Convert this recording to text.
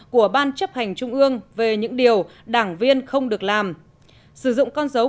của ban chấp hợp tài nguyên môi trường tp đà nẵng